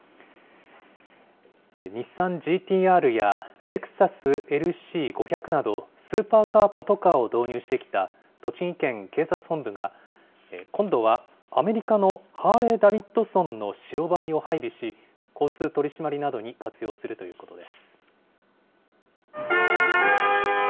日産ＧＴーＲやレクサスＬＣ５００など、スーパーカーパトカーを導入してきた栃木県警察本部が、今度はアメリカのハーレーダビッドソンの白バイを配備し、交通取締りなどに活用するということです。